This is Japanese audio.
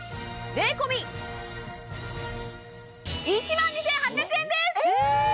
税込１万２８００円です！え！？